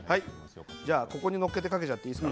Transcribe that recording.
ここに載っけてかけちゃっていいですか？